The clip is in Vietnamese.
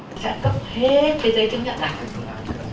cấp hết cái giấy chứng nhận ạ